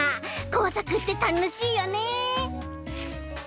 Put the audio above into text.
工作ってたのしいよね。